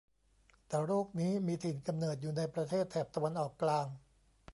แต่โรคนี้มีถิ่นกำเนิดอยู่ในประเทศแถบตะวันออกกลาง